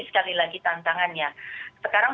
sekali lagi tantangannya sekarang